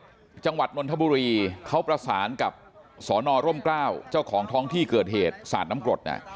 จังหวัดนนทบุรีเขาประสานกับสนร่มกล้าวเจ้าของท้องที่เกิดเหตุสาดน้ำกรด